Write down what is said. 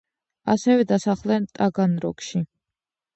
ასევე დასახლდნენ ტაგანროგში.